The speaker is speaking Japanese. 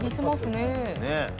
ねえ。